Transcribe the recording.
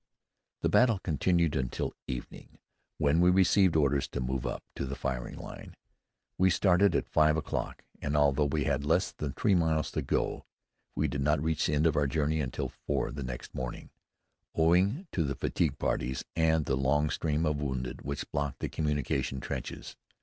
The battle continued until evening, when we received orders to move up to the firing line. We started at five o'clock, and although we had less than three miles to go, we did not reach the end of our journey until four the next morning, owing to the fatigue parties and the long stream of wounded which blocked the communication trenches.